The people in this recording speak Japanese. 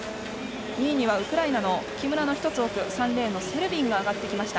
２位にはウクライナの３レーンのセルビンが上がってきました。